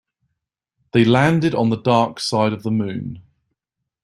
They landed on the dark side of the moon.